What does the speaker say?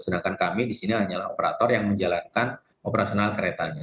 sedangkan kami di sini hanyalah operator yang menjalankan operasional keretanya